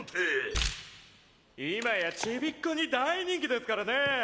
今やちびっ子に大人気ですからね！